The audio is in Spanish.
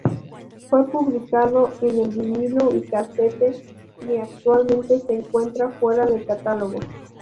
Fue publicado en vinilo y casete, y actualmente se encuentra fuera de catálogo.